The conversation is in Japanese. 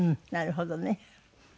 なるほどね。